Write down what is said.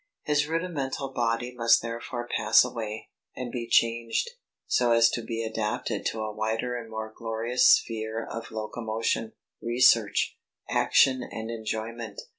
His rudimental body must therefore pass away, and be changed, so as to be adapted to a wider and more glorious sphere of locomotion, research, action and enjoyment.